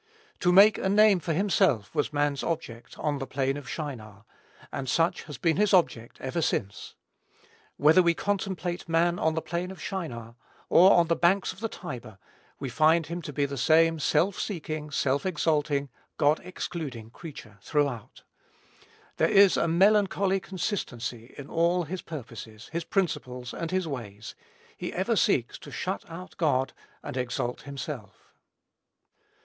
To make a name for himself was man's object on the plain of Shinar; and such has been his object ever since. Whether we contemplate man on the plain of Shinar, or on the banks of the Tiber, we find him to be the same self seeking, self exalting, God excluding creature, throughout. There is a melancholy consistency in all his purposes, his principles, and his ways; he ever seeks to shut out God and exalt himself.